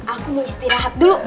aku mau istirahat dulu